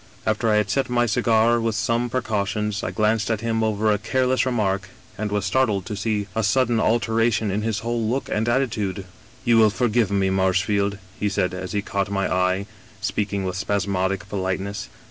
" After I had selected my cigar with some precautions, I glanced at him over a careless remark, and was startled to see a sudden alteration in his whole look and attitude. "* You will forgive me, Marshfield,' he said, as he caught my eye, speaking with spasmodic politeness.